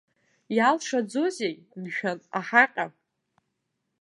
Иалшаӡозеи, мшәан, аҳаҟьа?!